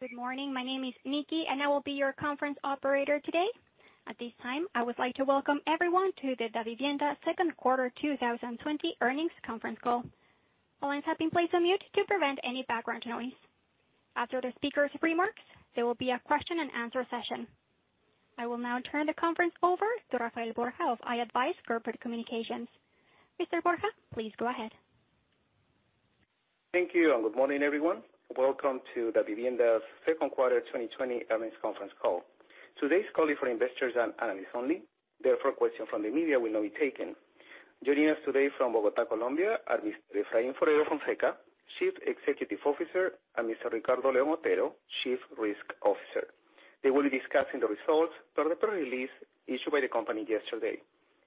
Good morning. My name is Nikki, and I will be your conference operator today. At this time, I would like to welcome everyone to the Davivienda second quarter 2020 earnings conference call. All lines have been placed on mute to prevent any background noise. After the speaker's remarks, there will be a question and answer session. I will now turn the conference over to Rafael Borja of i-advize Corporate Communications. Mr. Borja, please go ahead. Thank you. Good morning, everyone. Welcome to Davivienda's second quarter 2020 earnings conference call. Today's call is for investors and analysts only, therefore questions from the media will not be taken. Joining us today from Bogotá, Colombia, are Mr. Efraín Forero Fonseca, Chief Executive Officer, and Mr. Ricardo León Otero, Chief Risk Officer. They will be discussing the results from the press release issued by the company yesterday.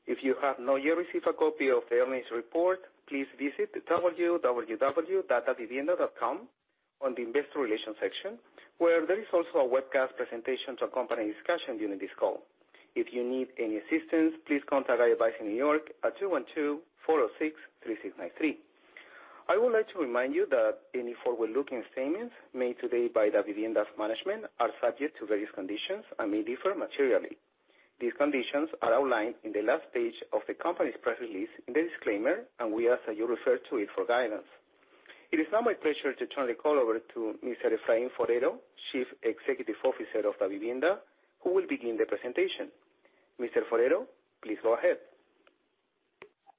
If you have not yet received a copy of the earnings report, please visit www.davivienda.com on the investor relations section, where there is also a webcast presentation to accompany discussion during this call. If you need any assistance, please contact i-advize in New York at 212-406-3693. I would like to remind you that any forward-looking statements made today by Davivienda's management are subject to various conditions and may differ materially. These conditions are outlined in the last page of the company's press release in the disclaimer, and we ask that you refer to it for guidance. It is now my pleasure to turn the call over to Mr. Efraín Forero, Chief Executive Officer of Davivienda, who will begin the presentation. Mr. Forero, please go ahead.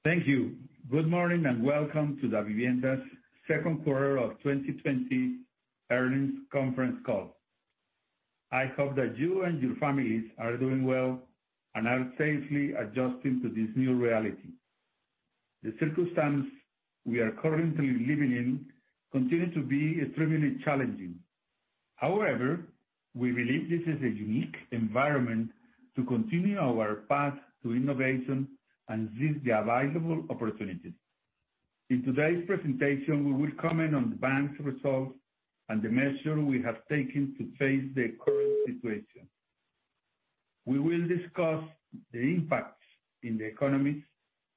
Thank you. Good morning. Welcome to Davivienda's second quarter of 2020 earnings conference call. I hope that you and your families are doing well and are safely adjusting to this new reality. The circumstance we are currently living in continues to be extremely challenging. However, we believe this is a unique environment to continue our path to innovation and seize the available opportunities. In today's presentation, we will comment on the bank's results and the measures we have taken to face the current situation. We will discuss the impacts in the economies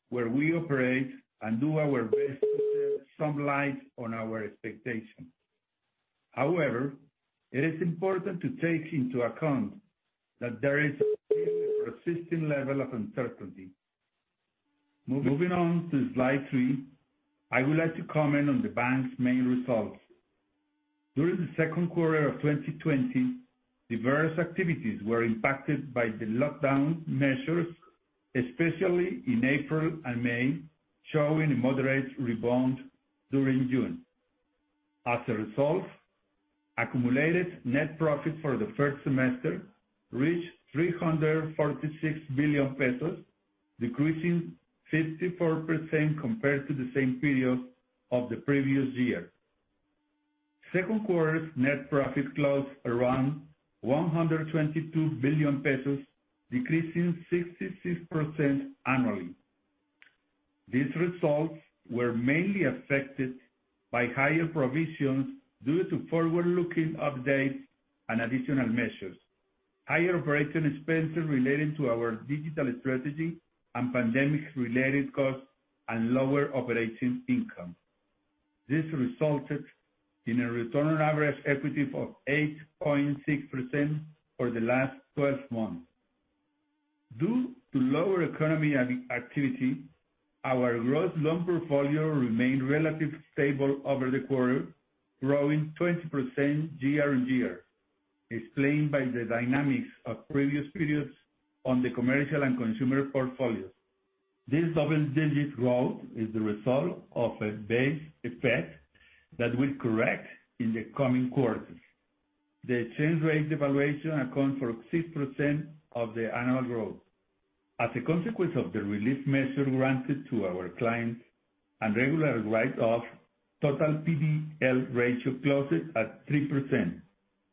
where we operate and do our best to shed some light on our expectations. However, it is important to take into account that there is still a persistent level of uncertainty. Moving on to slide three, I would like to comment on the bank's main results. During the second quarter of 2020, diverse activities were impacted by the lockdown measures, especially in April and May, showing a moderate rebound during June. Accumulated net profit for the first semester reached COP 346 billion, decreasing 54% compared to the same period of the previous year. Second quarter's net profit closed around COP 122 billion, decreasing 66% annually. These results were mainly affected by higher provisions due to forward-looking updates and additional measures, higher operating expenses relating to our digital strategy and pandemic-related costs, and lower operating income. This resulted in a return on average equity of 8.6% for the last 12 months. Due to lower economy activity, our gross loan portfolio remained relatively stable over the quarter, growing 20% year-over-year, explained by the dynamics of previous periods on the commercial and consumer portfolios. This double-digit growth is the result of a base effect that will correct in the coming quarters. The change rate devaluation accounts for 6% of the annual growth. As a consequence of the relief measure granted to our clients and regular write-off, total PDL ratio closed at 3%,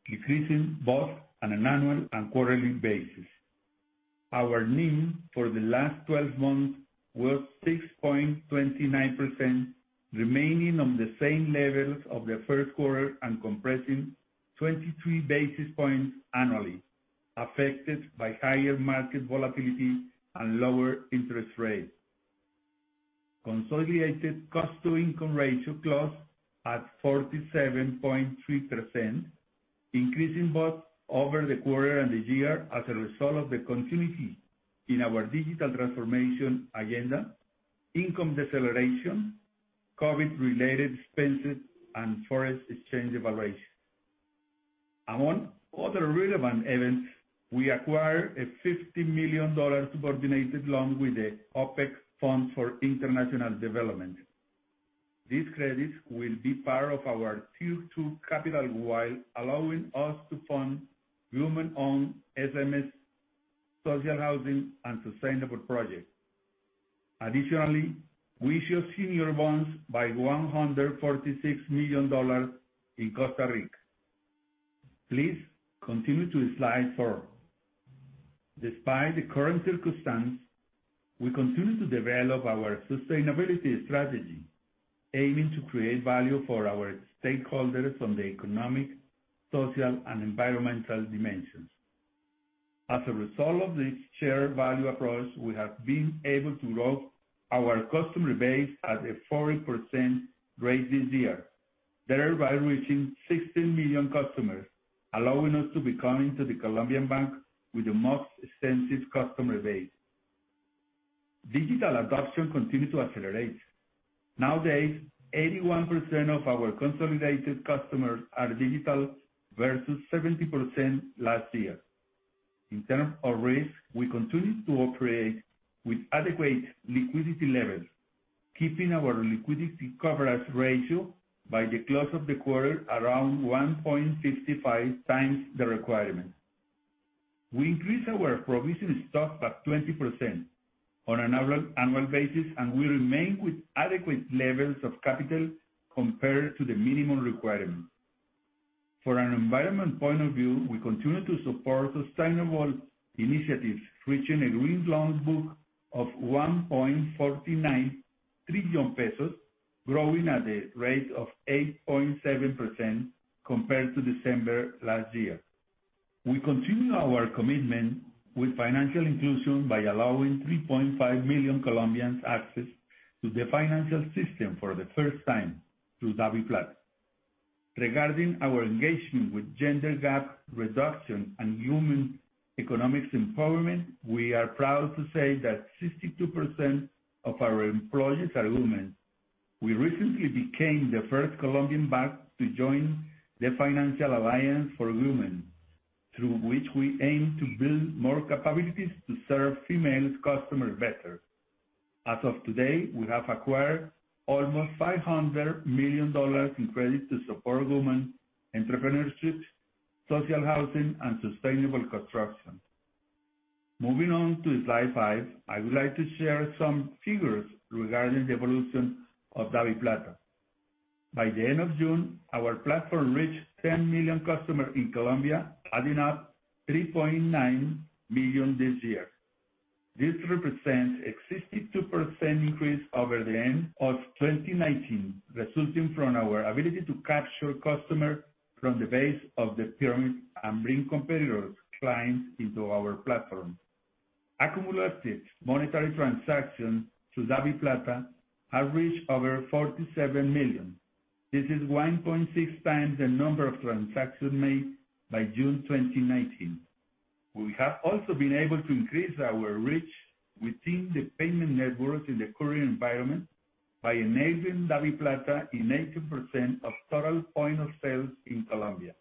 decreasing both on an annual and quarterly basis. Our NIM for the last 12 months was 6.29%, remaining on the same levels of the first quarter and compressing 23 basis points annually, affected by higher market volatility and lower interest rates. Consolidated cost to income ratio closed at 47.3%, increasing both over the quarter and the year as a result of the continuity in our digital transformation agenda, income deceleration, COVID-related expenses, and foreign exchange evaluation. Among other relevant events, we acquired a $50 million subordinated loan with the OPEC Fund for International Development. This credit will be part of our Tier 2 capital while allowing us to fund women-owned SMEs, social housing, and sustainable projects. We issued senior bonds for COP 146 million in Costa Rica. Please continue to slide four. Despite the current circumstances, we continue to develop our sustainability strategy, aiming to create value for our stakeholders from the economic, social, and environmental dimensions. As a result of this shared value approach, we have been able to grow our customer base at a 40% rate this year, thereby reaching 16 million customers, allowing us to become the Colombian bank with the most extensive customer base. Digital adoption continues to accelerate. Nowadays, 81% of our consolidated customers are digital, versus 70% last year. In terms of risk, we continue to operate with adequate liquidity levels, keeping our liquidity coverage ratio by the close of the quarter around 1.55 times the requirement. We increased our provision stock by 20% on an annual basis, and we remain with adequate levels of capital compared to the minimum requirement. From an environment point of view, we continue to support sustainable initiatives, reaching a green loans book of COP 1.49 trillion, growing at a rate of 8.7% compared to December last year. We continue our commitment with financial inclusion by allowing 3.5 million Colombians access to the financial system for the first time through DaviPlata. Regarding our engagement with gender gap reduction and human economic empowerment, we are proud to say that 62% of our employees are women. We recently became the first Colombian bank to join the Financial Alliance for Women, through which we aim to build more capabilities to serve female customers better. As of today, we have acquired almost COP 500 million in credit to support women entrepreneurship, social housing, and sustainable construction. Moving on to slide five, I would like to share some figures regarding the evolution of DaviPlata. By the end of June, our platform reached 10 million customers in Colombia, adding up 3.9 million this year. This represents a 62% increase over the end of 2019, resulting from our ability to capture customers from the base of the pyramid and bring competitors' clients into our platform. Cumulative monetary transactions through DaviPlata have reached over 47 million. This is 1.6 times the number of transactions made by June 2019. We have also been able to increase our reach within the payment networks in the current environment by enabling DaviPlata in 80% of total point of sales in Colombia.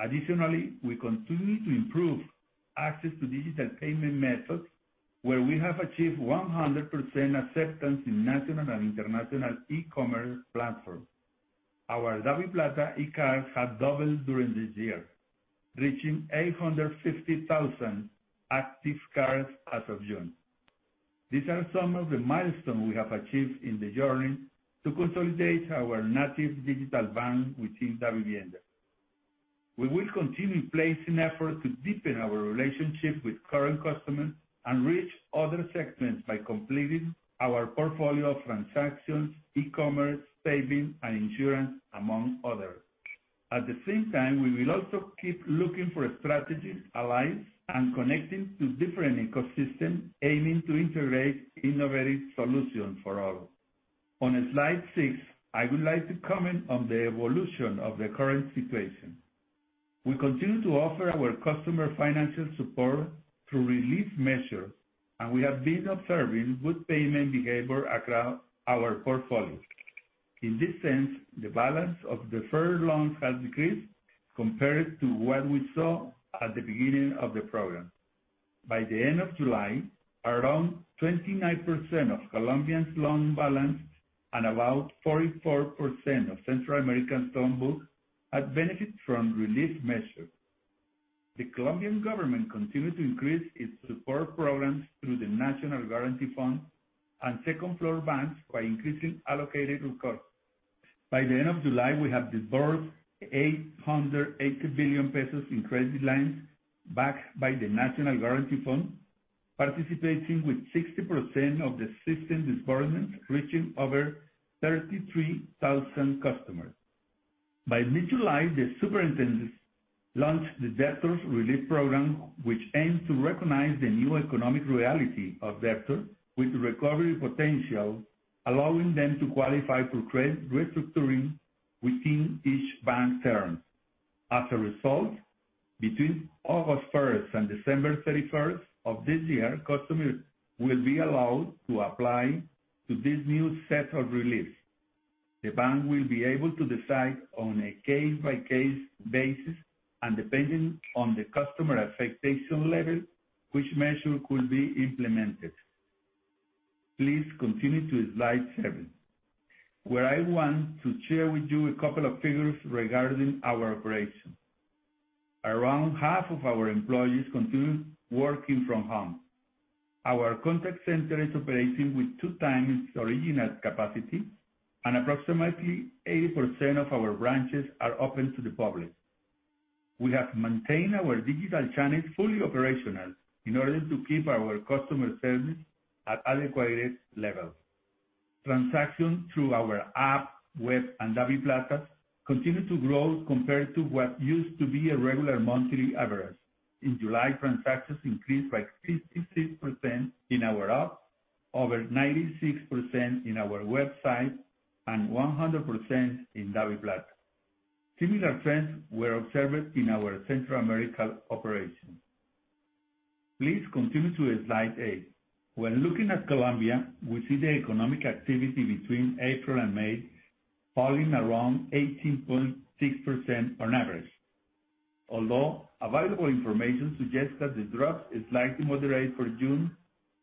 Additionally, we continue to improve access to digital payment methods, where we have achieved 100% acceptance in national and international e-commerce platforms. Our DaviPlata e-cards have doubled during this year, reaching 850,000 active cards as of June. These are some of the milestones we have achieved in the journey to consolidate our native digital bank within Davivienda. We will continue placing effort to deepen our relationship with current customers and reach other segments by completing our portfolio of transactions, e-commerce, savings, and insurance, among others. At the same time, we will also keep looking for strategic allies and connecting to different ecosystems, aiming to integrate innovative solutions for all. On slide six, I would like to comment on the evolution of the current situation. We continue to offer our customer financial support through relief measures, and we have been observing good payment behavior across our portfolio. In this sense, the balance of deferred loans has decreased compared to what we saw at the beginning of the program. By the end of July, around 29% of Colombians' loan balance and about 44% of Central Americans' loan books had benefited from relief measures. The Colombian government continued to increase its support programs through the National Guarantee Fund Second-Floor Banks by increasing allocated recourse. By the end of July, we had disbursed COP 880 billion in credit lines backed by the National Guarantee Fund, participating with 60% of the system disbursements, reaching over 33,000 customers. By mid-July, the superintendent launched the Debtors' Relief Program, which aims to recognize the new economic reality of debtors with recovery potential, allowing them to qualify for credit restructuring within each bank's terms. As a result, between August 1st and December 31st of this year, customers will be allowed to apply to this new set of reliefs. The bank will be able to decide on a case-by-case basis, and depending on the customer affectation level, which measure could be implemented. Please continue to slide seven, where I want to share with you a couple of figures regarding our operations. Around half of our employees continue working from home. Our contact center is operating with two times its original capacity, and approximately 80% of our branches are open to the public. We have maintained our digital channels fully operational in order to keep our customer service at adequate levels. Transactions through our app, web, and DaviPlata continue to grow compared to what used to be a regular monthly average. In July, transactions increased by 66% in our app, over 96% in our website, and 100% in DaviPlata. Similar trends were observed in our Central America operations. Please continue to slide eight. When looking at Colombia, we see the economic activity between April and May falling around 18.6% on average. Although available information suggests that the drop is likely moderate for June,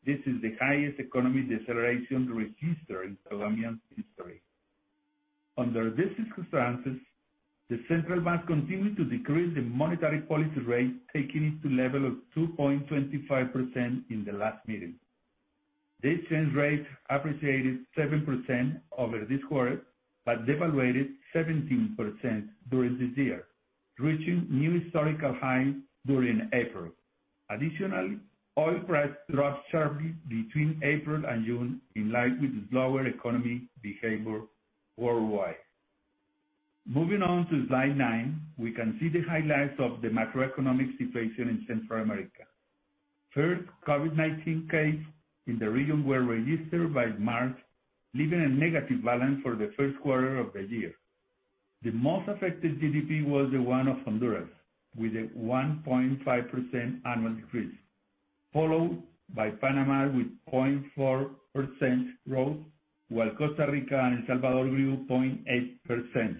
this is the highest economy deceleration registered in Colombian history. Under these circumstances, the central bank continued to decrease the monetary policy rate, taking it to level of 2.25% in the last meeting. The exchange rate appreciated 7% over this quarter but devaluated 17% during this year, reaching new historical highs during April. Additionally, oil price dropped sharply between April and June in line with the slower economy behavior worldwide. Moving on to slide nine, we can see the highlights of the macroeconomic situation in Central America. First COVID-19 case in the region were registered by March, leaving a negative balance for the first quarter of the year. The most affected GDP was the one of Honduras, with a 1.5% annual decrease, followed by Panama with 0.4% growth, while Costa Rica and El Salvador grew 0.8%.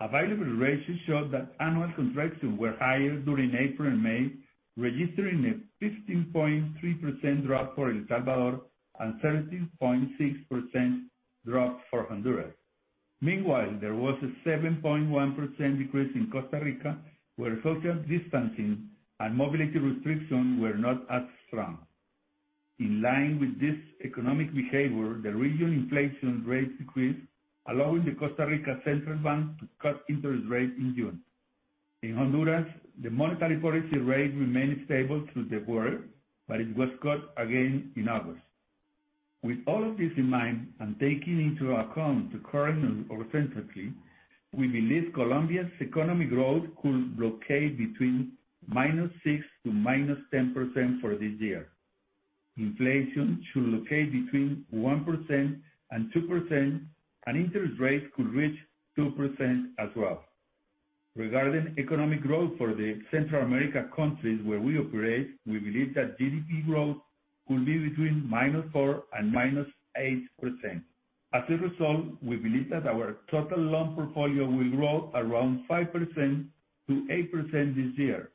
Available ratios show that annual contractions were higher during April and May, registering a 15.3% drop for El Salvador and 13.6% drop for Honduras. Meanwhile, there was a 7.1% decrease in Costa Rica, where social distancing and mobility restrictions were not as strong. In line with this economic behavior, the region inflation rate decreased, allowing the Costa Rica central bank to cut interest rates in June. In Honduras, the monetary policy rate remained stable through the quarter, but it was cut again in August. With all of this in mind and taking into account the current uncertainty, we believe Colombia's economic growth could locate between -6% to -10% for this year. Inflation should locate between 1% and 2%. Interest rates could reach 2% as well. Regarding economic growth for the Central America countries where we operate, we believe that GDP growth could be between -4% and -8%. As a result, we believe that our total loan portfolio will grow around 5%-8% this year,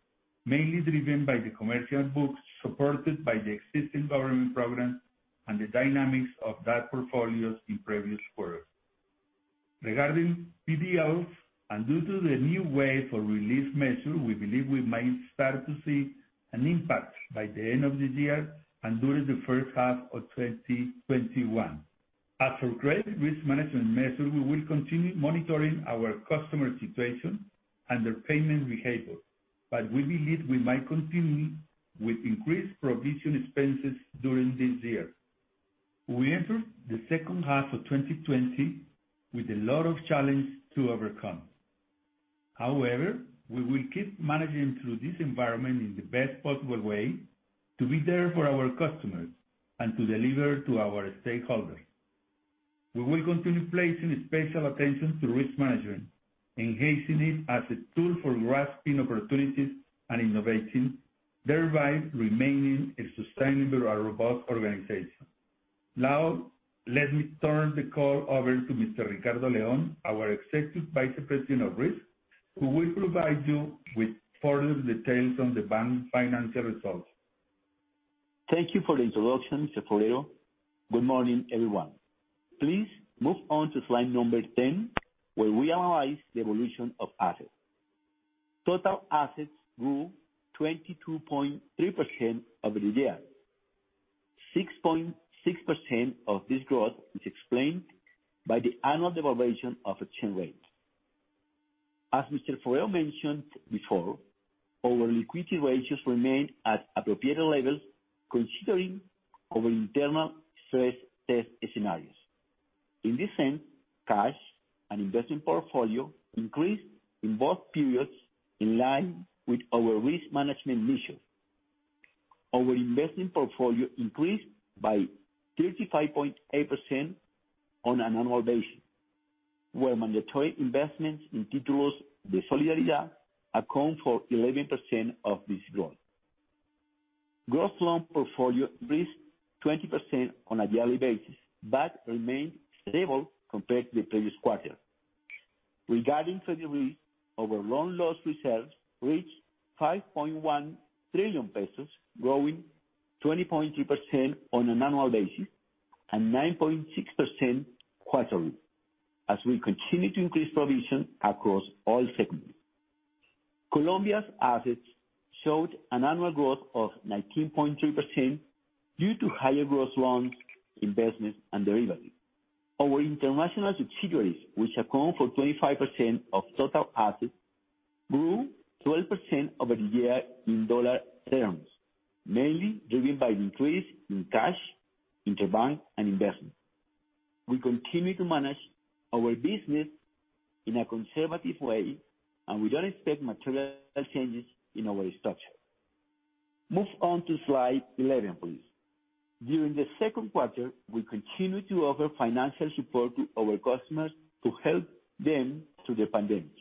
mainly driven by the commercial books supported by the existing government programs and the dynamics of that portfolios in previous quarters. Regarding PDL, and due to the new wave of relief measure, we believe we might start to see an impact by the end of this year and during the first half of 2021. As for credit risk management measure, we will continue monitoring our customer situation and their payment behavior. We believe we might continue with increased provision expenses during this year. We enter the second half of 2020 with a lot of challenge to overcome. However, we will keep managing through this environment in the best possible way to be there for our customers and to deliver to our stakeholders. We will continue placing special attention to risk management, enhancing it as a tool for grasping opportunities and innovating, thereby remaining a sustainable and robust organization. Now, let me turn the call over to Mr. Ricardo León, our Executive Vice President of Risk, who will provide you with further details on the bank's financial results. Thank you for the introduction, Mr. Forero. Good morning, everyone. Please move on to slide number 10, where we analyze the evolution of assets. Total assets grew 22.3% over the year. 6.6% of this growth is explained by the annual devaluation of exchange rate. As Mr. Forero mentioned before, our liquidity ratios remained at appropriate levels considering our internal stress test scenarios. In this end, cash and investment portfolio increased in both periods in line with our risk management measures. Our investment portfolio increased by 35.8% on an annual basis, where mandatory investments in Títulos de Solidaridad account for 11% of this growth. Gross loan portfolio increased 20% on a yearly basis, remained stable compared to the previous quarter. Regarding credit risk, our loan loss reserves reached COP 5.1 trillion, growing 20.3% on an annual basis and 9.6% quarterly, as we continue to increase provision across all segments. Colombia's assets showed an annual growth of 19.3% due to higher gross loans, investments, and derivatives. Our international subsidiaries, which account for 25% of total assets, grew 12% over the year in dollar terms, mainly driven by the increase in cash, interbank, and investments. We continue to manage our business in a conservative way, and we don't expect material changes in our structure. Move on to slide 11, please. During the second quarter, we continued to offer financial support to our customers to help them through the pandemic.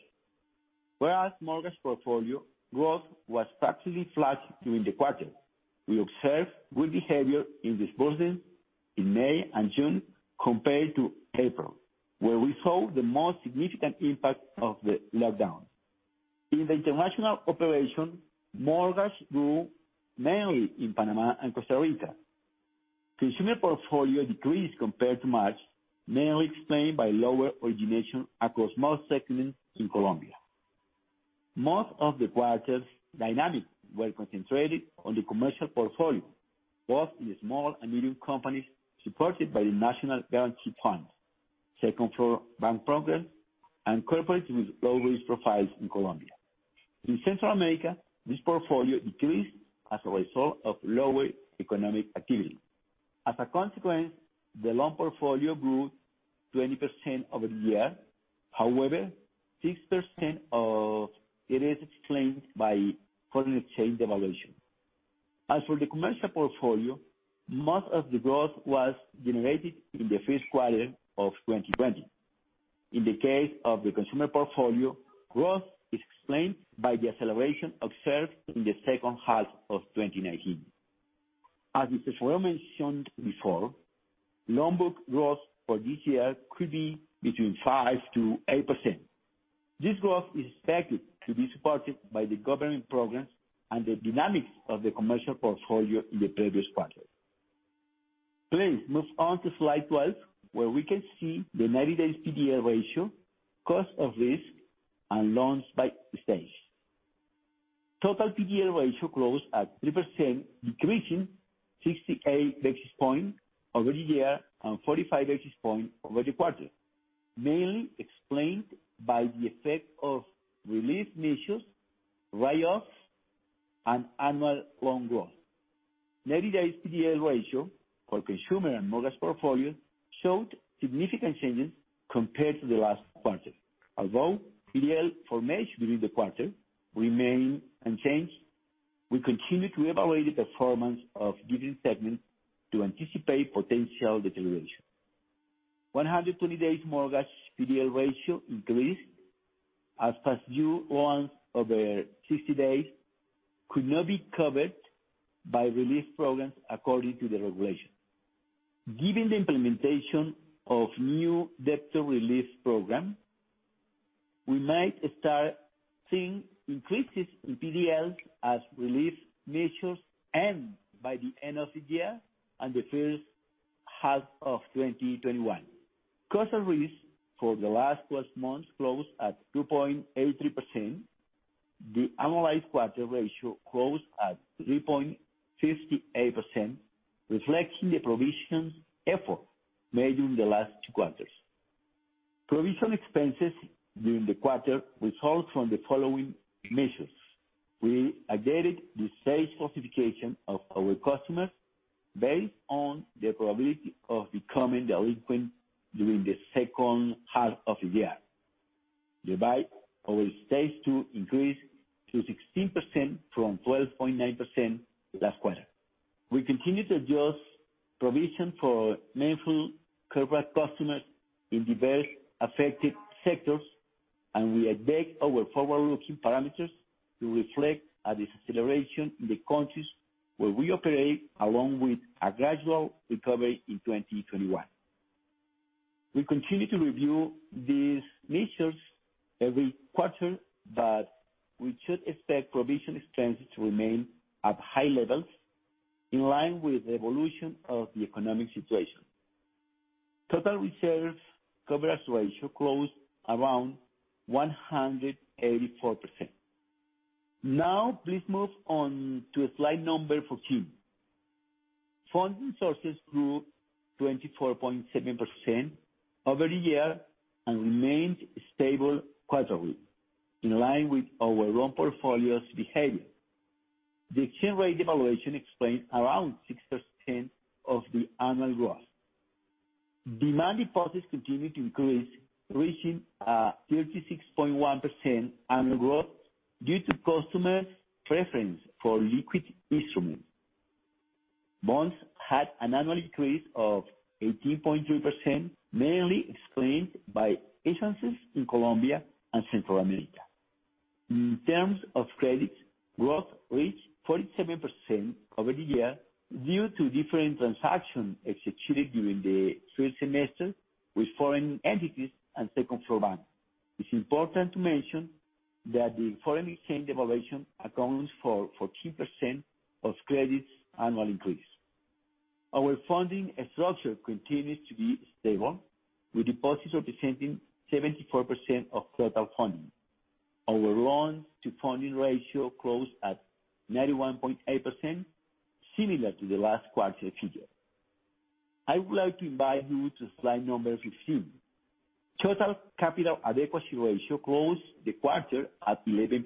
Whereas mortgage portfolio growth was practically flat during the quarter, we observed good behavior in disbursements in May and June compared to April, where we saw the most significant impact of the lockdown. In the international operation, mortgages grew mainly in Panama and Costa Rica. Consumer portfolio decreased compared to March, mainly explained by lower origination across most segments in Colombia. Most of the quarter's dynamics were concentrated on the commercial portfolio, both in the small and medium companies supported by the National Guarantee Fund, Second-Floor Bank programs, and corporates with low-risk profiles in Colombia. In Central America, this portfolio decreased as a result of lower economic activity. As a consequence, the loan portfolio grew 20% over the year. However, 6% of it is explained by foreign exchange devaluation. As for the commercial portfolio, most of the growth was generated in the first quarter of 2020. In the case of the consumer portfolio, growth is explained by the acceleration observed in the second half of 2019. As it is well mentioned before, loan book growth for this year could be between 5%-8%. This growth is expected to be supported by the government programs and the dynamics of the commercial portfolio in the previous quarter. Please move on to slide 12, where we can see the 90-day PDL ratio, cost of risk, and loans by stage. Total PDL ratio closed at 3%, decreasing 68 basis points over the year and 45 basis points over the quarter, mainly explained by the effect of relief measures, write-offs, and annual loan growth. 90-day PDL ratio for consumer and mortgage portfolios showed significant changes compared to the last quarter. Although PDL formation during the quarter remained unchanged, we continue to evaluate the performance of different segments to anticipate potential deterioration. 120-days mortgage PDL ratio increased as past due loans over 60 days could not be covered by relief programs according to the regulation. Given the implementation of new debtor relief program, we might start seeing increases in PDLs as relief measures end by the end of the year and the first half of 2021. Cost of risk for the last 12 months closed at 2.83%. The annualized quarter ratio closed at 3.58%, reflecting the provision effort made during the last two quarters. Provision expenses during the quarter result from the following measures. We updated the stage classification of our customers based on the probability of becoming delinquent during the second half of the year. Thereby, our Stage 2 increased to 16% from 12.9% last quarter. We continue to adjust provision for meaningful corporate customers in the various affected sectors. We update our forward-looking parameters to reflect a deceleration in the countries where we operate, along with a gradual recovery in 2021. We continue to review these measures every quarter. We should expect provision expenses to remain at high levels in line with the evolution of the economic situation. Total reserves coverage ratio closed around 184%. Please move on to slide number 14. Funding sources grew 24.7% over the year and remained stable quarterly, in line with our loan portfolio's behavior. The exchange rate devaluation explained around 6% of the annual growth. Demand deposits continued to increase, reaching a 36.1% annual growth due to customers' preference for liquid instruments. Bonds had an annual increase of 18.3%, mainly explained by issuances in Colombia and Central America. In terms of credits, growth reached 47% over the year due to different transactions executed during the first semester with foreign entities and Second-Floor Bank. It's important to mention that the foreign exchange devaluation accounts for 14% of credits' annual increase. Our funding structure continues to be stable, with deposits representing 74% of total funding. Our loans to funding ratio closed at 91.8%, similar to the last quarter figure. I would like to invite you to slide number 15. Total capital adequacy ratio closed the quarter at 11%.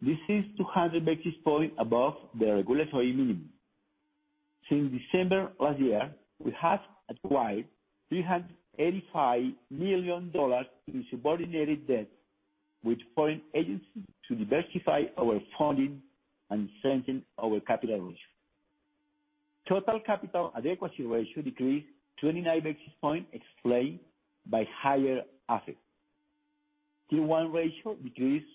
This is 200 basis points above the regulatory minimum. Since December last year, we have acquired $385 million in subordinated debt with foreign agencies to diversify our funding and strengthen our capital ratio. Total capital adequacy ratio decreased 29 basis points explained by higher assets. Tier 1 ratio decreased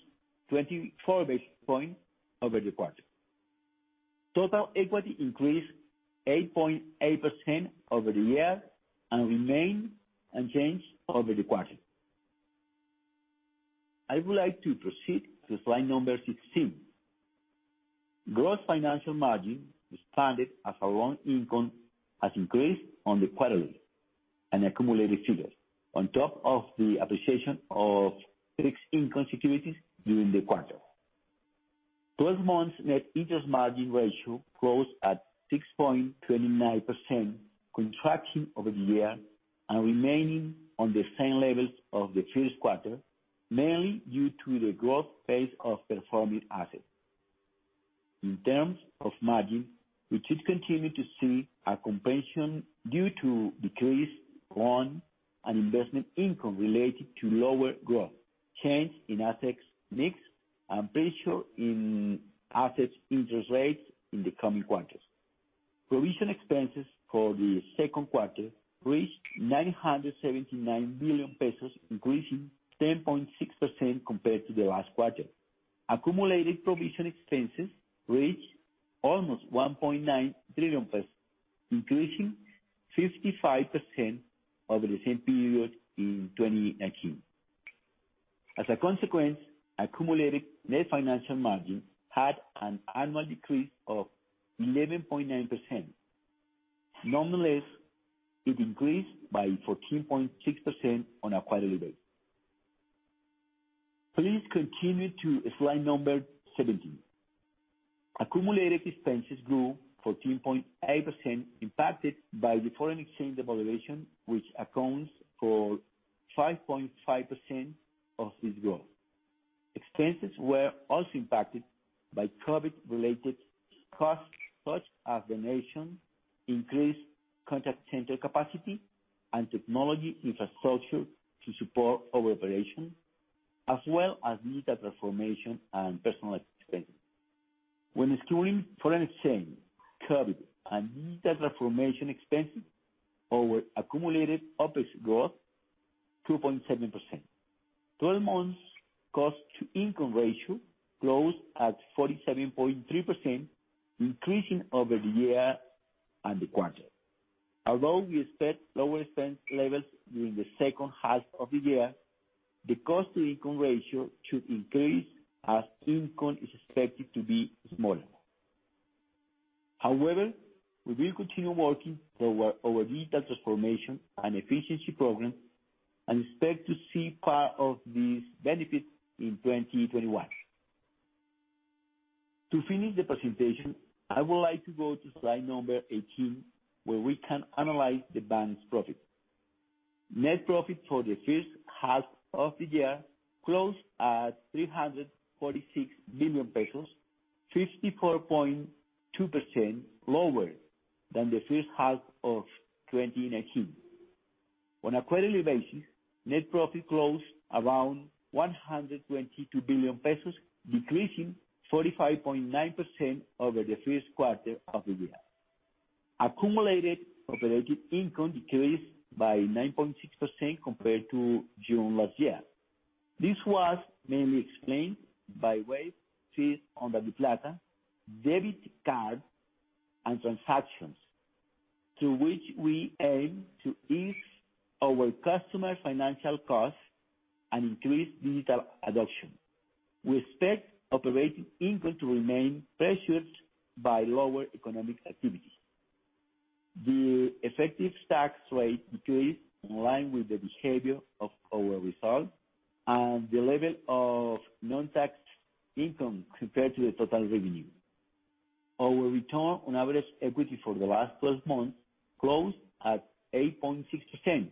24 basis points over the quarter. Total equity increased 8.8% over the year and remained unchanged over the quarter. I would like to proceed to slide number 16. Gross financial margin expanded as our loan income has increased on the quarterly and accumulated figures, on top of the appreciation of fixed income securities during the quarter. 12 months net interest margin ratio closed at 6.29%, contracting over the year and remaining on the same levels of the first quarter, mainly due to the growth pace of performing assets. In terms of margin, we should continue to see a compression due to decreased loan and investment income related to lower growth, change in assets mix, and pressure in assets interest rates in the coming quarters. Provision expenses for the second quarter reached COP 979 billion, increasing 10.6% compared to the last quarter. Accumulated provision expenses reached almost COP 1.9 billion, increasing 55% over the same period in 2019. As a consequence, accumulated net financial margin had an annual decrease of 11.9%. Nonetheless, it increased by 14.6% on a quarterly basis. Please continue to slide number 17. Accumulated expenses grew 14.8%, impacted by the foreign exchange devaluation, which accounts for 5.5% of this growth. Expenses were also impacted by COVID-related costs such as donations, increased contact center capacity, and technology infrastructure to support our operations, as well as digital transformation and personalized spending. When excluding foreign exchange, COVID, and digital transformation expenses, our accumulated OpEx growth, 2.7%. 12 months cost to income ratio closed at 47.3%, increasing over the year and the quarter. Although we expect lower expense levels during the second half of the year, the cost to income ratio should increase as income is expected to be smaller. However, we will continue working toward our digital transformation and efficiency program and expect to see part of these benefits in 2021. To finish the presentation, I would like to go to slide number 18, where we can analyze the bank's profit. Net profit for the first half of the year closed at COP 346 billion, 54.2% lower than the first half of 2019. On a quarterly basis, net profit closed around COP 122 billion, decreasing 45.9% over the first quarter of the year. Accumulated operating income decreased by 9.6% compared to June last year. This was mainly explained by waived fees on DaviPlata debit card and transactions, through which we aim to ease our customer financial costs and increase digital adoption. We expect operating income to remain pressured by lower economic activity. The effective tax rate decreased in line with the behavior of our results and the level of non-taxed income compared to the total revenue. Our return on average equity for the last 12 months closed at 8.6%,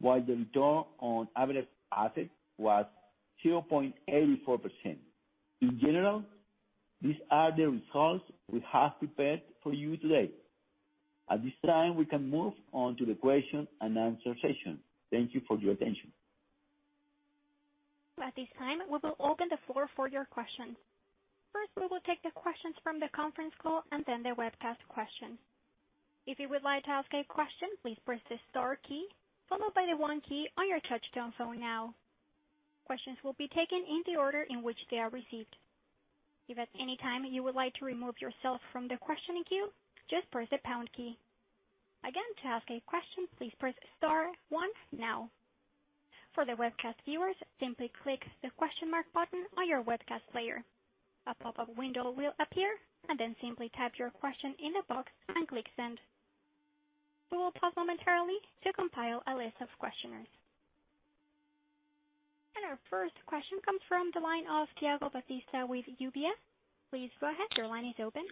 while the return on average assets was 0.84%. In general, these are the results we have prepared for you today. At this time, we can move on to the question and answer session. Thank you for your attention. At this time, we will open the floor for your questions. First, we will take the questions from the conference call and then the webcast questions. If you would like to ask a question, please press the star key followed by the one key on your touch-tone phone now. Questions will be taken in the order in which they are received. If at any time you would like to remove yourself from the questioning queue, just press the pound key. Again, to ask a question, please press star one now. For the webcast viewers, simply click the question mark button on your webcast player. A pop-up window will appear, then simply type your question in the box and click send. We will pause momentarily to compile a list of questioners. Our first question comes from the line of Thiago Batista with UBS. Please go ahead. Your line is open.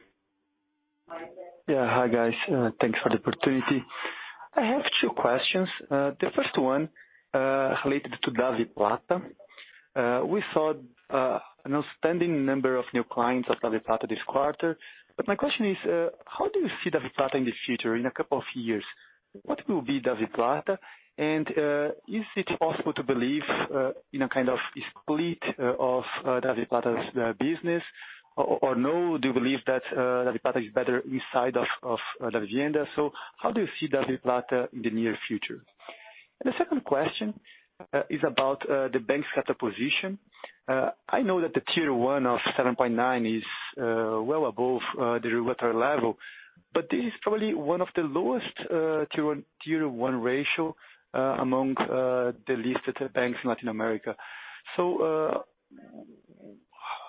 Yeah. Hi, guys. Thanks for the opportunity. I have two questions. The first one related to DaviPlata. We saw an outstanding number of new clients at DaviPlata this quarter, my question is, how do you see DaviPlata in the future, in a couple of years? What will be DaviPlata, is it possible to believe in a kind of split of DaviPlata's business, or no? Do you believe that DaviPlata is better inside of Davivienda? How do you see DaviPlata in the near future? The second question is about the bank's capital position. I know that the Tier 1 of 7.9% is well above the regulatory level, this is probably one of the lowest Tier 1 ratio among the listed banks in Latin America.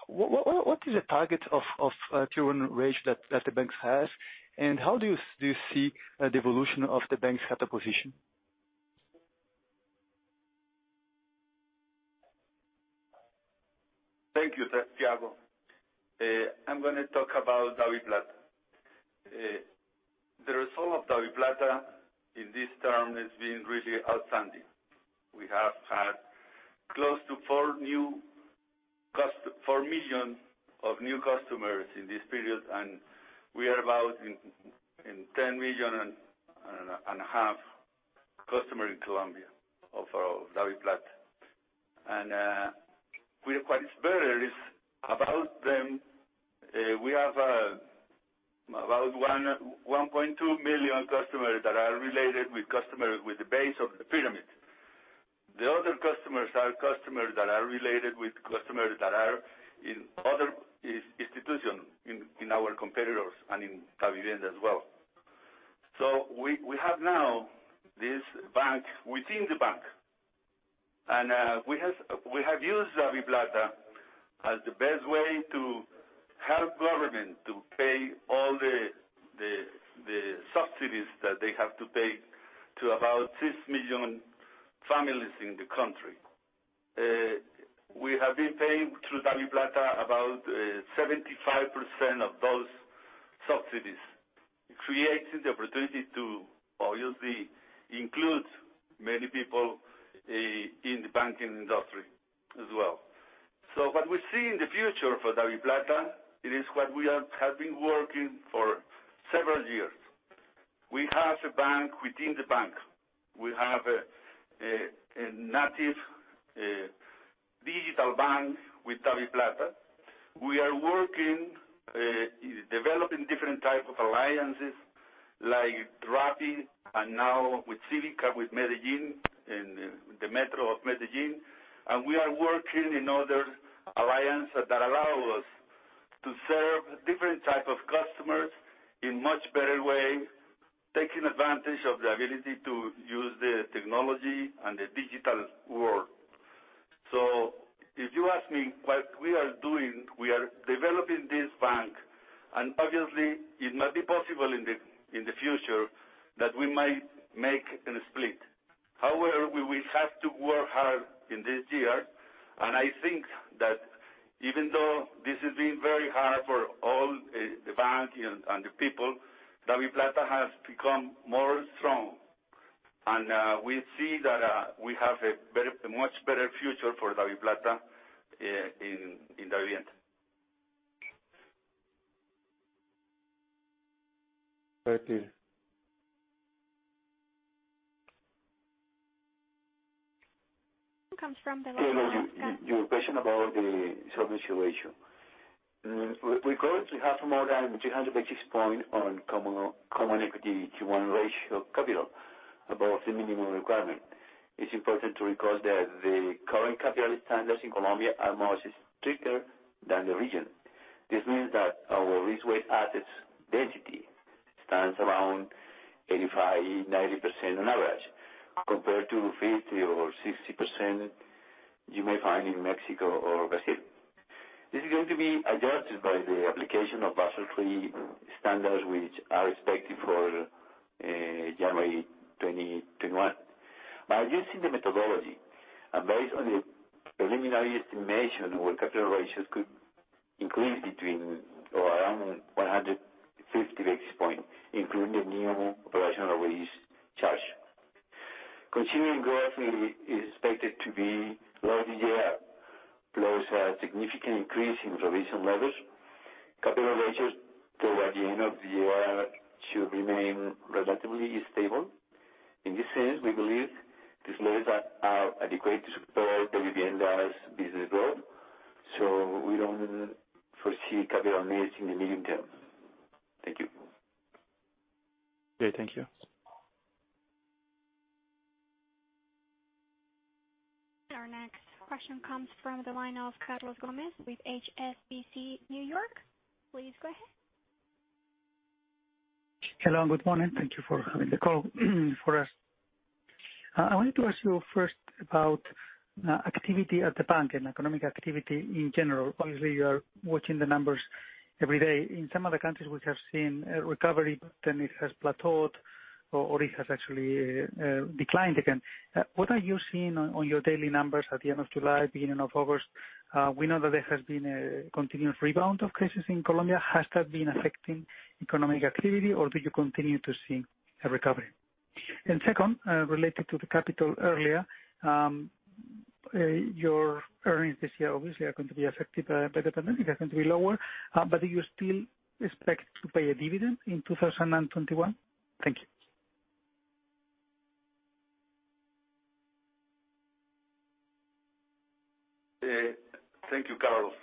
What is the target of Tier 1 ratio that the banks has and how do you see the evolution of the bank's capital position? Thank you. That's Thiago. I am going to talk about DaviPlata. The result of DaviPlata in this term has been really outstanding. We have had close to 4 million of new customers in this period, we are about in 10.5 million customers in Colombia of our DaviPlata. What is better is, about them, we have about 1.2 million customers that are related with customers with the base of the pyramid. The other customers are customers that are related with customers that are in other institutions, in our competitors and in Davivienda as well. We have now this bank within the bank. We have used DaviPlata as the best way to help government to pay all the subsidies that they have to pay to about 6 million families in the country. We have been paying through DaviPlata about 75% of those subsidies. It created the opportunity to obviously include many people in the banking industry as well. What we see in the future for DaviPlata, it is what we have been working for several years. We have a bank within the bank. We have a native digital bank with DaviPlata. We are working, developing different type of alliances like Rappi and now with Cívica, with Medellín and the Metro de Medellín. We are working in other alliances that allow us to serve different type of customers in much better way, taking advantage of the ability to use the technology and the digital world. If you ask me what we are doing, we are developing this bank, and obviously it might be possible in the future that we might make a split. However, we will have to work hard in this year, and I think that even though this has been very hard for all the bank and the people, DaviPlata has become more strong. We see that we have a much better future for DaviPlata in Davivienda. Thank you. Comes from the line of- Your question about the solvency ratio. We currently have more than 300 basis points on Common Equity Tier 1 ratio capital above the minimum requirement. It's important to recall that the current capital standards in Colombia are much stricter than the region. This means that our risk-weight assets density stands around 85%, 90% on average, compared to 50% or 60% you may find in Mexico or Brazil. This is going to be adjusted by the application of Basel III standards, which are expected for January 2021. By using the methodology and based on the preliminary estimation, our capital ratios could increase between or around 150 basis points, including the new operational risk charge. Continuing growth is expected to be low this year plus a significant increase in provision levels. Capital ratios toward the end of the year should remain relatively stable. In this sense, we believe these levels are adequate to support Davivienda's business growth, so we don't foresee capital needs in the medium term. Thank you. Okay, thank you. Our next question comes from the line of Carlos Gómez with HSBC New York. Please go ahead. Hello, good morning. Thank you for having the call for us. I wanted to ask you first about activity at the bank and economic activity in general. Obviously, you are watching the numbers every day. In some of the countries, we have seen a recovery, but then it has plateaued or it has actually declined again. What are you seeing on your daily numbers at the end of July, beginning of August? We know that there has been a continuous rebound of cases in Colombia. Has that been affecting economic activity, or do you continue to see a recovery? Second, related to the capital earlier, your earnings this year obviously are going to be affected by the pandemic. They're going to be lower. Do you still expect to pay a dividend in 2021? Thank you. Thank you, Carlos.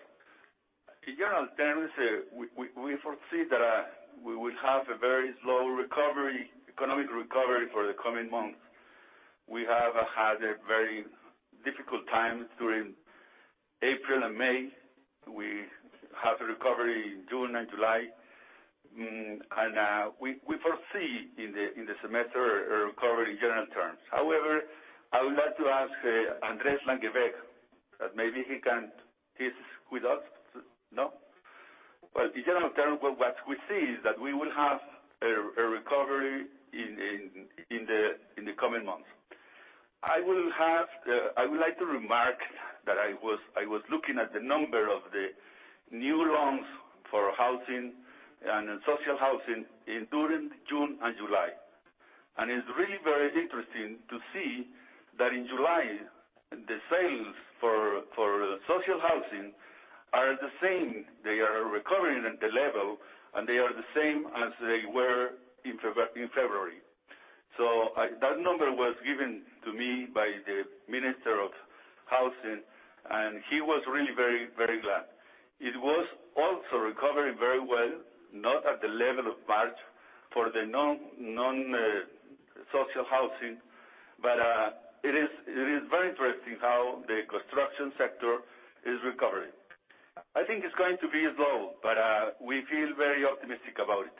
In general terms, we foresee that we will have a very slow economic recovery for the coming months. We have had a very difficult time during April and May. We have a recovery in June and July. We foresee, in the semester, a recovery in general terms. However, I would like to ask Andrés Langebaek that maybe he's with us? No? Well, in general terms, what we see is that we will have a recovery in the coming months. I would like to remark that I was looking at the number of the new loans for housing and social housing during June and July. It's really very interesting to see that in July, the sales for social housing are the same. They are recovering at the level, and they are the same as they were in February. That number was given to me by the Minister of Housing, and he was really very glad. It was also recovering very well, not at the level of March for the non-social housing, but it is very interesting how the construction sector is recovering. I think it is going to be slow, but we feel very optimistic about it.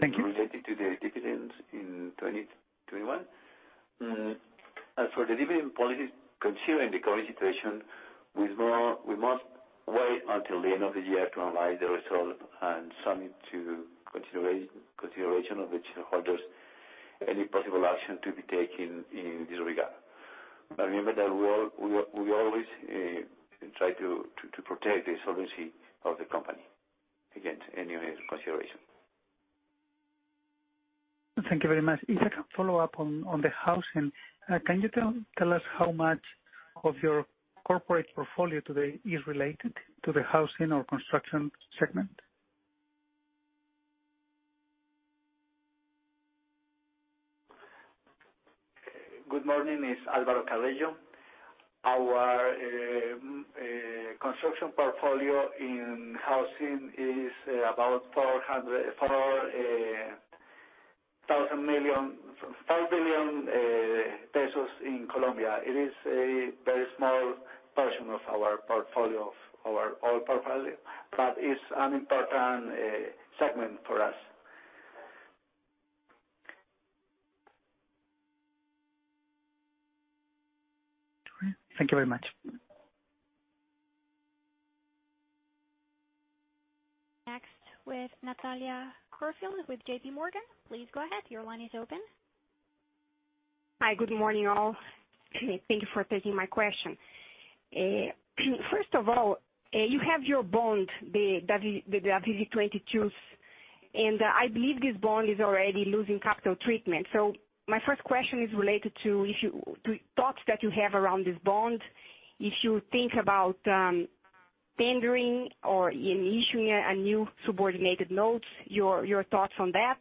Thank you. Related to the dividends in 2021. For the dividend policy, considering the current situation, we must wait until the end of the year to analyze the results and submit to consideration of the shareholders any possible action to be taken in this regard. Remember that we always try to protect the solvency of the company against any consideration. Thank you very much. If I can follow up on the housing, can you tell us how much of your corporate portfolio today is related to the housing or construction segment? Good morning, it's Álvaro Callejo. Our construction portfolio in housing is about COP 4 billion in Colombia. It is a very small portion of our portfolio, of our whole portfolio, but it's an important segment for us. Thank you very much. Next, with Natalia Corfield with JPMorgan. Please go ahead. Your line is open. Hi. Good morning, all. Thank you for taking my question. First of all, you have your bond, the Davivienda 2022s, and I believe this bond is already losing capital treatment. My first question is related to thoughts that you have around this bond. If you think about tendering or issuing a new subordinated note, your thoughts on that.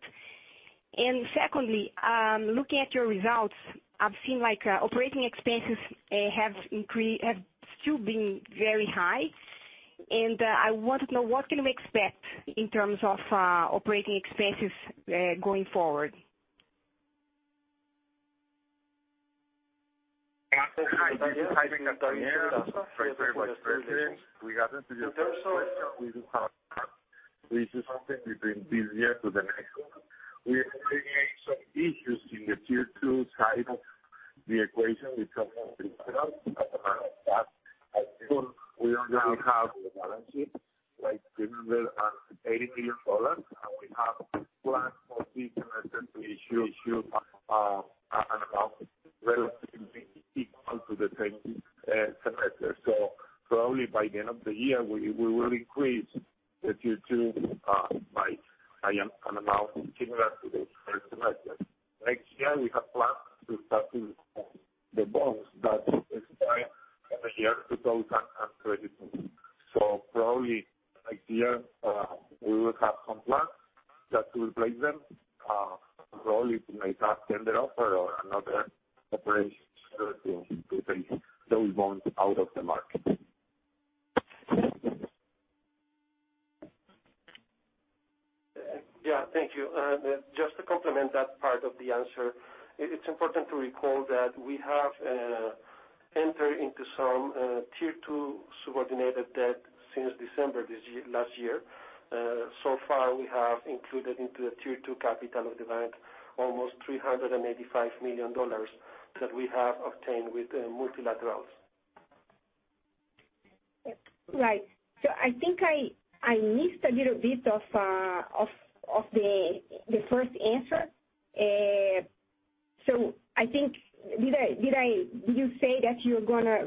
Secondly, looking at your results, I've seen operating expenses have still been very high, and I want to know what can we expect in terms of operating expenses going forward? Hi, there Natalia. With regards to your first question, we do have this is something between this year to the next one. We are having some issues in the Tier 2 side of the equation. We only have a balance sheet, like COP 380 million, and we have plans for this semester to issue an amount relatively equal to the same semester. Probably by the end of the year, we will increase the Tier 2 by an amount similar to the first semester. Next year, we have plans to start to refund the bonds that expire in the year 2022. Probably next year, we will have some plans just to replace them. Probably to make that tender offer or another operation to take those bonds out of the market. Yeah. Thank you. Just to complement that part of the answer, it's important to recall that we have. Enter into some Tier 2 subordinated debt since December last year. So far, we have included into the Tier 2 capital of the bank almost $385 million that we have obtained with multilaterals. Right. I think I missed a little bit of the first answer. I think, did you say that you're going to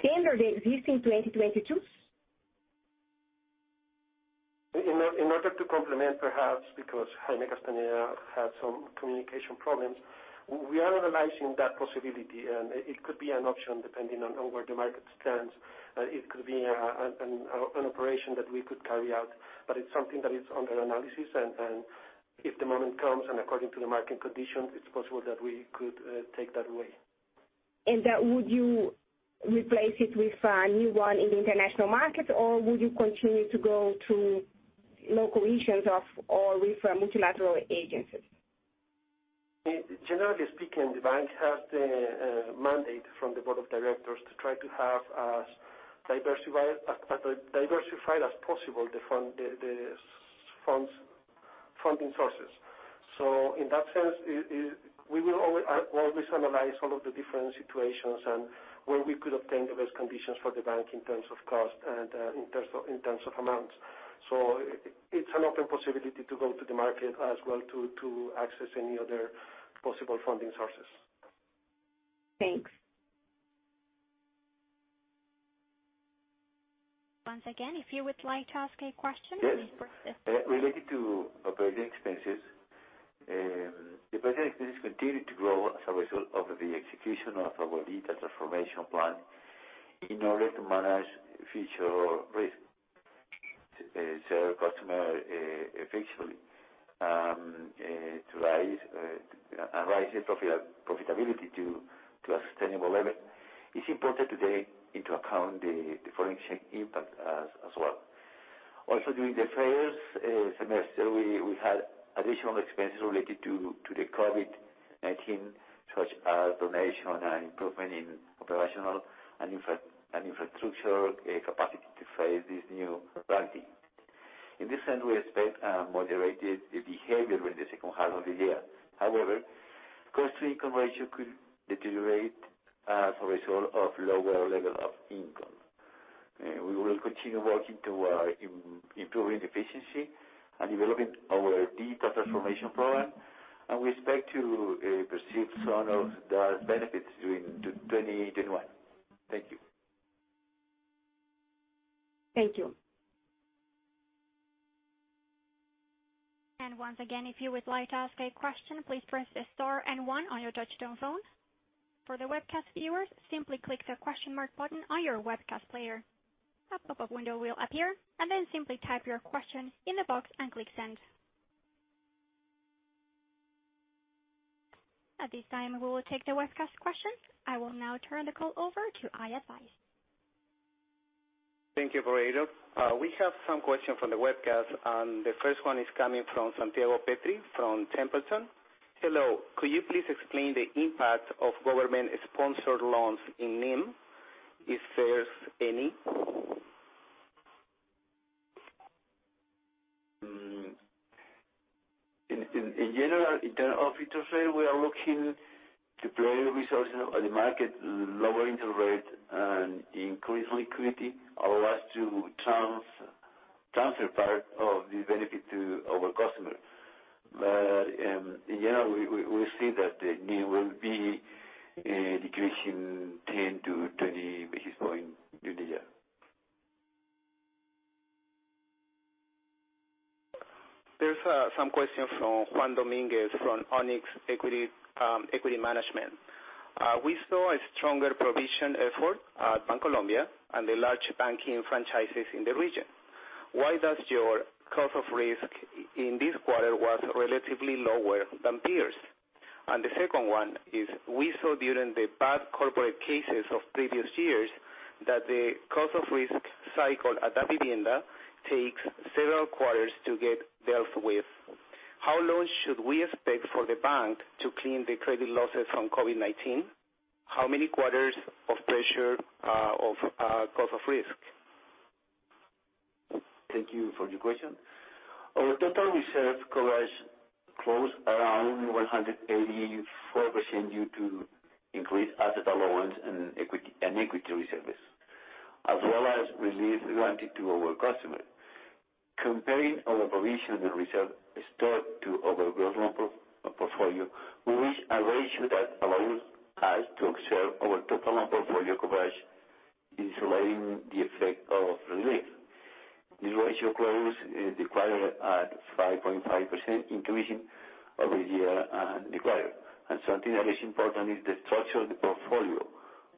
tender the existing 2022s? In order to complement perhaps, because Jaime Castañeda had some communication problems, we are analyzing that possibility. It could be an option depending on where the market stands. It could be an operation that we could carry out, but it's something that is under analysis. If the moment comes and according to the market conditions, it's possible that we could take that way. Would you replace it with a new one in the international market, or would you continue to go to local issues of, or with multilateral agencies? Generally speaking, the bank has the mandate from the board of directors to try to have as diversified as possible the funding sources. In that sense, we will always analyze all of the different situations and where we could obtain the best conditions for the bank in terms of cost and in terms of amount. It's an open possibility to go to the market as well to access any other possible funding sources. Thanks. Once again, if you would like to ask a question, please press. Yes. Related to operating expenses. Operating expenses continued to grow as a result of the execution of our digital transformation plan in order to manage future risk. To serve customer efficiently, to rise profitability to a sustainable level. It's important to take into account the foreign exchange impact as well. During the first semester, we had additional expenses related to the COVID-19, such as donation and improvement in operational and infrastructure capacity to face this new reality. In this end, we expect a moderated behavior in the second half of the year. Cost to income ratio could deteriorate as a result of lower level of income. We will continue working toward improving efficiency and developing our digital transformation program, and we expect to perceive some of the benefits during 2021. Thank you. Thank you. Once again, if you would like to ask a question, please press star and one on your touchtone phone. For the webcast viewers, simply click the question mark button on your webcast player. A pop-up window will appear, and then simply type your question in the box and click send. At this time, we will take the webcast questions. I will now turn the call over to ISI. Thank you, operator. We have some questions from the webcast, and the first one is coming from Santiago Petri from Templeton. Hello, could you please explain the impact of government-sponsored loans in NIM, if there's any? In general, in terms of interest rate, we are looking to play resources on the market, lower interest rate, and increase liquidity allow us to transfer part of the benefit to our customer. In general, we see that the NIM will be decreasing 10 basis points-20 basis points during the year. There's some questions from Juan Dominguez from Onyx Equity Management. We saw a stronger provision effort at Bancolombia and the large banking franchises in the region. Why does your cost of risk in this quarter was relatively lower than peers? The second one is, we saw during the bad corporate cases of previous years that the cost of risk cycle at Davivienda takes several quarters to get dealt with. How long should we expect for the bank to clean the credit losses from COVID-19? How many quarters of pressure of cost of risk? Thank you for your question. Our total reserve coverage closed around 184% due to increased asset allowance and equity reserves, as well as relief granted to our customer. Comparing our provision and reserve stock to our gross loan portfolio, we reach a ratio that allows us to observe our total loan portfolio coverage insulating the effect of relief. This ratio closed the quarter at 5.5% increase over year-end and required. Something that is important is the structure of the portfolio.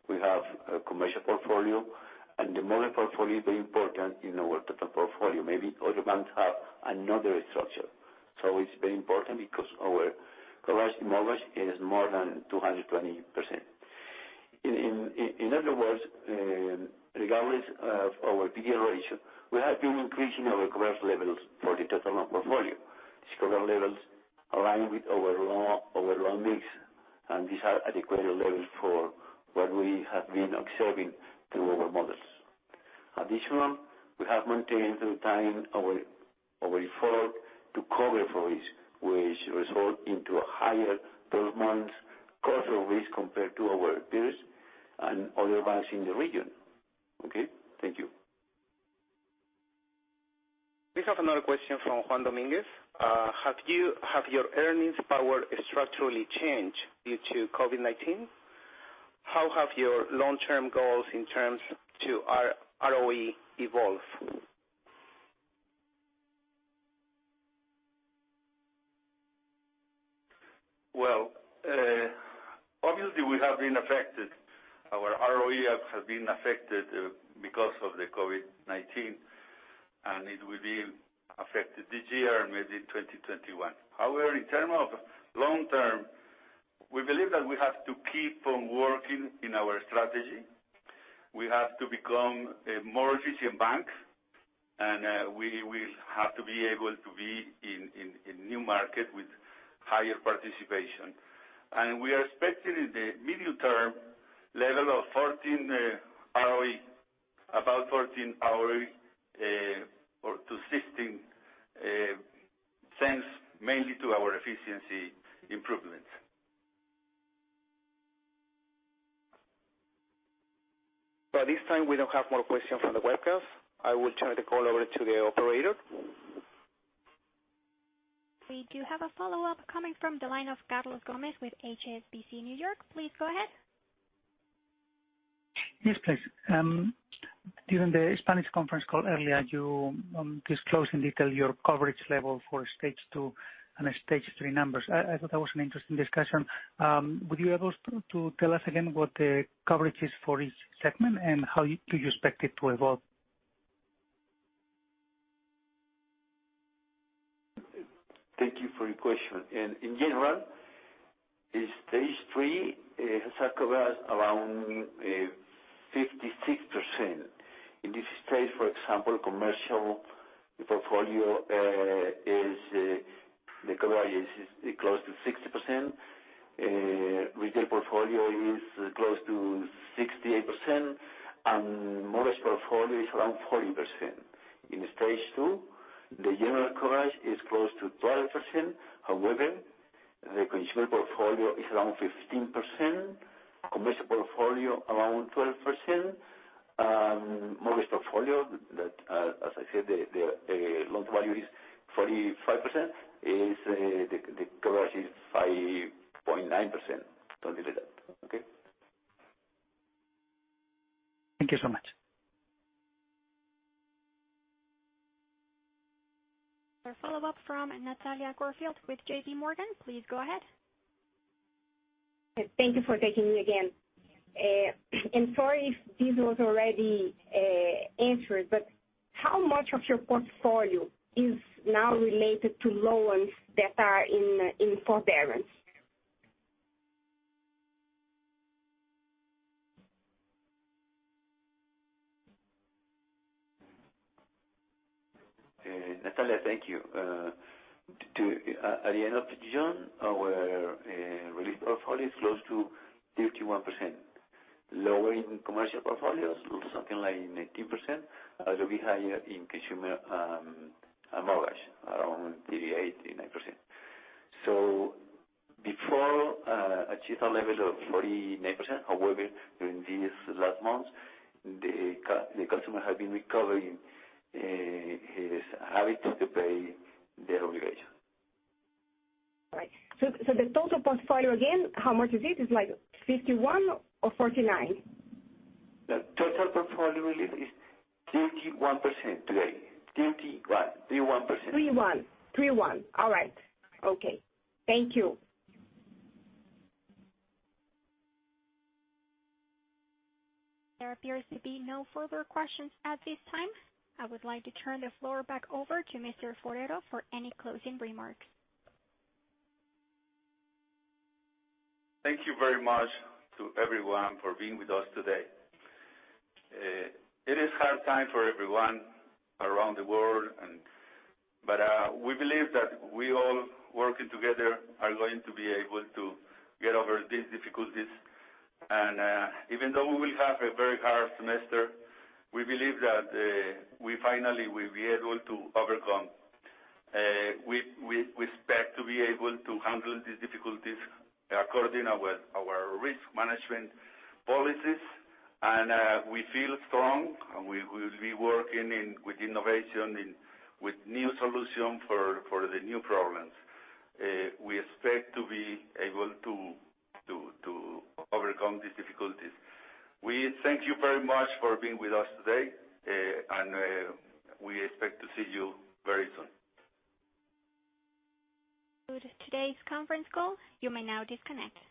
We have a commercial portfolio, and the mortgage portfolio is very important in our total portfolio. Maybe other banks have another structure. It's very important because our coverage in mortgage is more than 220%. In other words, regardless of our PDL ratio, we have been increasing our coverage levels for the total loan portfolio. These coverage levels align with our loan mix, and these are adequate levels for what we have been observing through our models. Additionally, we have maintained through time our effort to cover for risk, which result in a higher 12 months cost of risk compared to our peers and other banks in the region. Okay, thank you. We have another question from Juan Dominguez. Have your earnings power structurally changed due to COVID-19? How have your long-term goals in terms to ROE evolved? Well, obviously we have been affected. Our ROE has been affected because of the COVID-19, and it will be affected this year and maybe 2021. However, in terms of long term, we believe that we have to keep on working in our strategy. We have to become a more efficient bank, and we will have to be able to be in new market with higher participation. And we are expecting in the medium term level of 14% ROE, about 14% ROE or to 16%, thanks mainly to our efficiency improvements. At this time, we don't have more questions from the webcast. I will turn the call over to the operator. We do have a follow-up coming from the line of Carlos Gómez with HSBC New York. Please go ahead. Yes, please. During the Spanish conference call earlier, you disclosed in detail your coverage level for Stage 2 and Stage 3 numbers. I thought that was an interesting discussion. Would you be able to tell us again what the coverage is for each segment, and how do you expect it to evolve? Thank you for your question. In general, in Stage 3, it has a coverage around 56%. In this stage, for example, commercial portfolio, the coverage is close to 60%. Retail portfolio is close to 68%, and mortgage portfolio is around 40%. In Stage 2, the general coverage is close to 12%. However, the consumer portfolio is around 15%, commercial portfolio around 12%, and mortgage portfolio that, as I said, the loan value is 45%, the coverage is 5.9%, something like that. Okay? Thank you so much. A follow-up from Natalia Corfield with JPMorgan. Please go ahead. Thank you for taking me again. Sorry if this was already answered, but how much of your portfolio is now related to loans that are in forbearance? Natalia, thank you. At the end of June, our relieved portfolio is close to 31%. Lower in commercial portfolios, close to something like 19%, a little bit higher in consumer mortgage, around 38%, 39%. before, achieved a level of 49%. However, during these last months, the customer has been recovering his habit to pay their obligation. Right. The total portfolio again, how much is it? It's like 51% or 49%? The total portfolio relieved is 31% today. 31%. 31%. 31%. All right. Okay. Thank you. There appears to be no further questions at this time. I would like to turn the floor back over to Mr. Forero for any closing remarks. Thank you very much to everyone for being with us today. It is hard time for everyone around the world, but we believe that we all working together are going to be able to get over these difficulties. Even though we will have a very hard semester, we believe that we finally will be able to overcome. We expect to be able to handle these difficulties according our risk management policies, and we feel strong, and we will be working with innovation and with new solution for the new problems. We expect to be able to overcome these difficulties. We thank you very much for being with us today, and we expect to see you very soon. That concludes today's conference call. You may now disconnect.